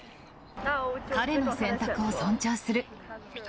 彼の選択を尊重する。